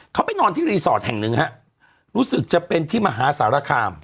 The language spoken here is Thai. เขาไปนอนที่รีสอร์ทแห่งหนึ่งฮะรู้สึกจะเป็นที่มหาสารคาม